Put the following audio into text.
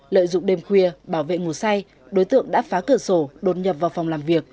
lợi dụng đêm khuya bảo vệ ngủ say đối tượng đã phá cửa sổ đột nhập vào phòng làm việc